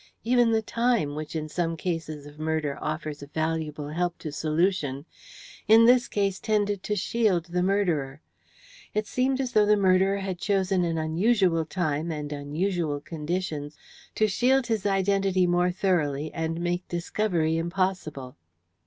Even the time, which in some cases of murder offers a valuable help to solution, in this case tended to shield the murderer. It seemed as though the murderer had chosen an unusual time and unusual conditions to shield his identity more thoroughly and make discovery impossible.